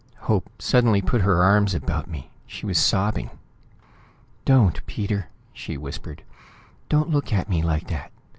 Hope suddenly put her arms about me. She was sobbing. "Don't, Peter!" she whispered. "Don't look at me like that.